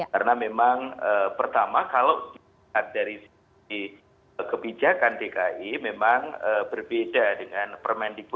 karena memang pertama kalau dari kebijakan dki memang berbeda dengan permendikbud empat puluh empat dua ribu sembilan belas